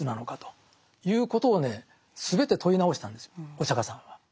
お釈迦さんは。